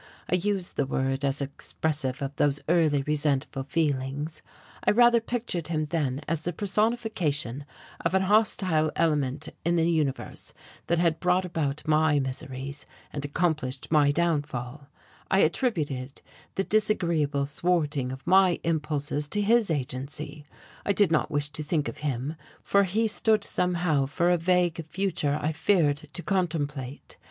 I use the word as expressive of those early resentful feelings, I rather pictured him then as the personification of an hostile element in the universe that had brought about my miseries and accomplished my downfall; I attributed the disagreeable thwarting of my impulses to his agency; I did not wish to think of him, for he stood somehow for a vague future I feared to contemplate.